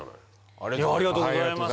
ありがとうございます。